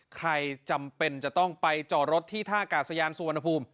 ใครจำเป็นจะต้องไปจอดรถที่ท่ากาศยานสุวรรณภูมิ